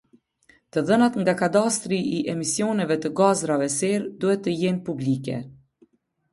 Të dhënat nga kadasitri i emisioneve të gazrave serë duhet të jenë publike.